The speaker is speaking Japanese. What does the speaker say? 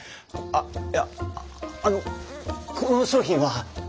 あっいやあのこの商品は？